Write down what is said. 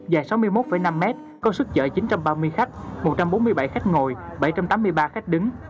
dài sáu mươi một năm mét công sức chở chín trăm ba mươi khách một trăm bốn mươi bảy khách ngồi bảy trăm tám mươi ba khách đứng